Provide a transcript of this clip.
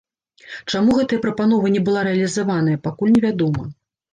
Чаму гэтая прапанова не была рэалізаваная, пакуль невядома.